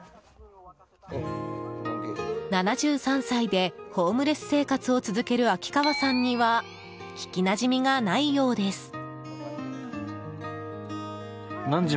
７３歳でホームレス生活を続ける秋川さんには聞きなじみがないようです。